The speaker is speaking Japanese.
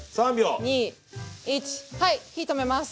２１はい火止めます。